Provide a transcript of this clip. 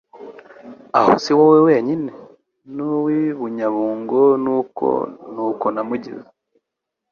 aho si wowe wenyine, n' uw' i Bunyabungo ni uko namugize.